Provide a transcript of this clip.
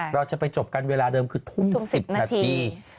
เราจะไปจบกันเวลาเดิมคือทุ่ม๑๐นาที